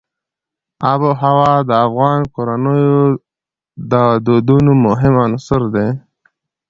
آب وهوا د افغان کورنیو د دودونو مهم عنصر دی.